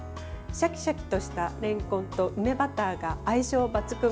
シャキシャキとしたれんこんと梅バターが相性抜群。